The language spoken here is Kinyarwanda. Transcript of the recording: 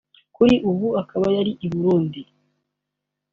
kuri ubu akaba yari i Burundi